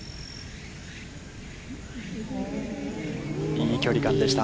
いい距離感でした。